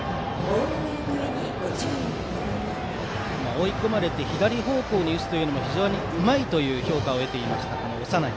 追い込まれてから左方向に打つのも非常にうまい評価を得ていました